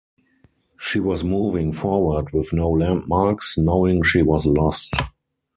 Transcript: She was moving forward with no landmarks, knowing she was lost.